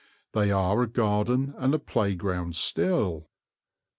They are a garden and a playground still.